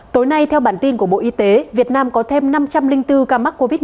tối nay theo bản tin của bộ y tế việt nam có thêm năm trăm linh bốn ca mắc covid một mươi chín